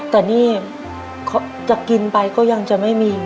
แต่นี่จะกินไปก็ยังจะไม่มี